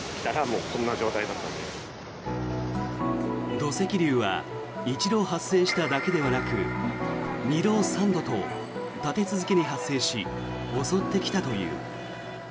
土石流は１度発生しただけではなく２度、３度と立て続けに発生し襲ってきたという。